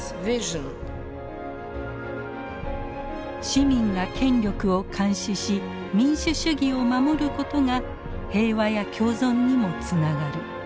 市民が権力を監視し民主主義を守ることが平和や共存にもつながる。